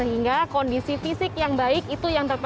sehingga kondisi fisik yang baik itu yang terpercaya